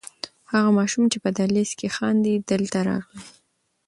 هغه ماشوم چې په دهلېز کې خاندي دلته راغی.